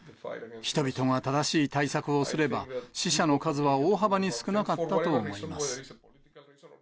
人々が正しい対策をすれば、死者の数は大幅に少なかったと思います。